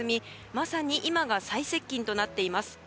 まさに今が最接近となっています。